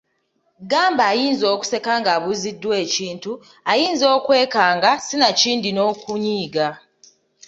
Gamba ayinza okuseka ng’abuuziddwa ekintu, ayinza okwekanga, sinakindi n’okunyiiga.